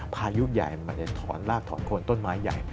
พายุใหญ่มันจะถอนรากถอนโคนต้นไม้ใหญ่